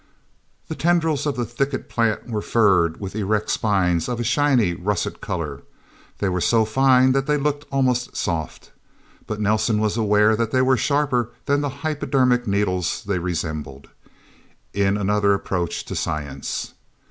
The tendrils of the thicket plant were furred with erect spines of a shiny, russet color. They were so fine that they looked almost soft. But Nelsen was aware that they were sharper than the hypodermic needles they resembled in another approach to science.